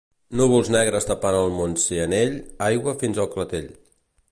Núvols negres tapant el Montsianell, aigua fins al clatell.